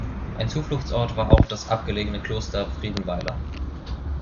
Ein Zufluchtsort war auch das abgelegene Kloster Friedenweiler.